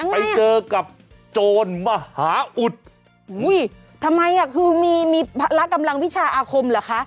ไปเจอกับโจรมหาอุดอุ้ยทำไมอ่ะคือมีพระกำลังวิชาอาคมเหรอคะ